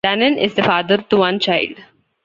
Danan is the father to one child.